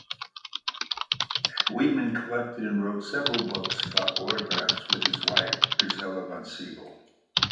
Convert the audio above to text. Wiedemann collected and wrote several books about autographs with his wife Gisela von Sybel.